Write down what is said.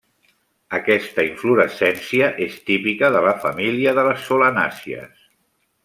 Aquesta inflorescència és típica de la família de les solanàcies.